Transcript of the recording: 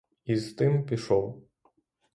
І з тим пішов.